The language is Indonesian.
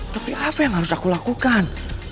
tapi apa yang harus aku lakukan